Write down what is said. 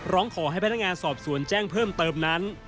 ร้องขอให้พนักงานสอบสวนแจ้งเพิ่มเติมนั้น